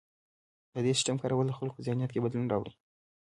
د دې سیستم کارول د خلکو په ذهنیت کې بدلون راوړي.